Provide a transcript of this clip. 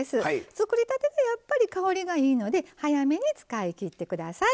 作りたてってやっぱり香りがいいので早めに使いきって下さい。